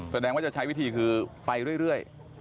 แสดงว่าจะใช้วิธีคือไปเรื่อย